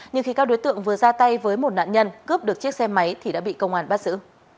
nhưng khi các đối tượng vừa ra tay với một nạn nhân cướp được chiếc xe máy thì đã bị công an bắt giữ